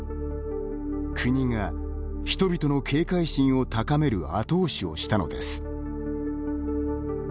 国が人々の警戒心を高める後押しをしたのです。